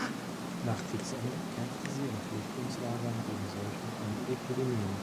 Nach Kriegsende kämpfte sie in Flüchtlingslagern gegen Seuchen und Epidemien.